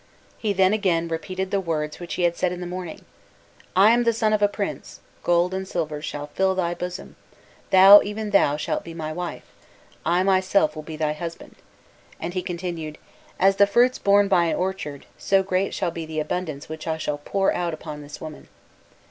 He then again repeated the words which he had said in the morning: "I am the son of a prince, gold and silver shall fill thy bosom; thou, even thou, shalt be my wife, I myself will be thy husband;" and he continued: "As the fruits borne by an orchard, so great shall be the abundance which I shall pour out upon this woman."